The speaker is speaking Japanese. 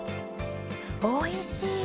おいしい！